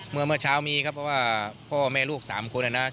เมื่อเมื่อเช้ามีครับเพราะว่าพ่อแม่ลูก๓คนนะ